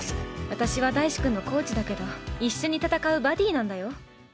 私は大志君のコーチだけど一緒に戦うバディーなんだよ。